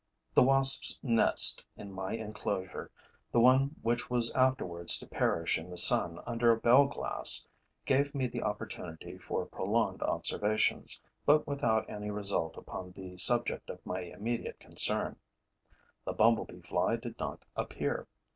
The wasps' nest in my enclosure, the one which was afterwards to perish in the sun under a bell glass, gave me the opportunity for prolonged observations, but without any result upon the subject of my immediate concern. The bumblebee fly did not appear.